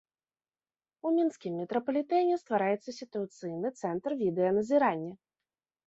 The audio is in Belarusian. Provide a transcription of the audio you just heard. У мінскім метрапалітэне ствараецца сітуацыйны цэнтр відэаназірання.